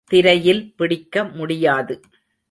திரையில் பிடிக்க முடியாது.